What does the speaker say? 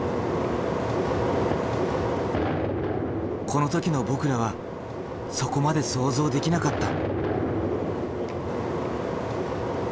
この時の僕らはそこまで想像できなかった。